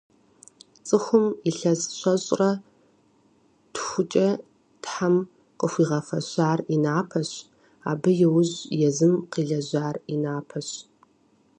Цӏыхум илъэс щэщӏрэ тхукӏэ Тхьэм къыхуигъэфэщар и напэщ, абы иужь езым къилэжьар и напэщ.